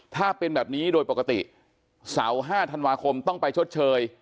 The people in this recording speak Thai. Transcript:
ถ้าเป็นแบบนี้โดยปกติเสาร์๕ธันวาคมต้องไปชดเชย